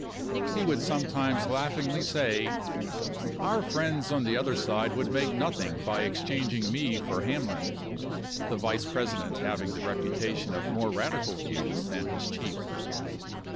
He would sometimes laughingly say, "Our friends on the other side would make nothing by exchanging me for Hamlin," the Vice President having the repu tation of more radical views than his chief.